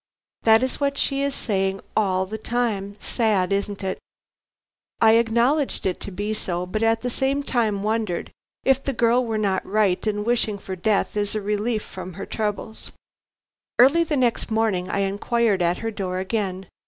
"That is what she is saying all the time. Sad, isn't it?" I acknowledged it to be so, but at the same time wondered if the girl were not right in wishing for death as a relief from her troubles. Early the next morning I inquired at her door again.